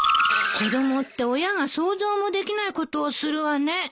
子供って親が想像もできないことをするわね。